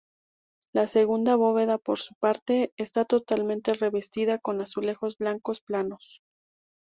La segunda bóveda, por su parte, está totalmente revestida con azulejos blancos planos.